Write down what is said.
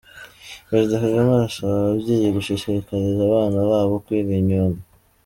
Perezida Kagame arasaba ababyeyi gushishikariza abana babo kwiga imyuga